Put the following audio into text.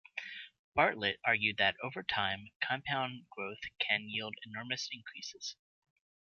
Bartlett argued that, over time, compound growth can yield enormous increases.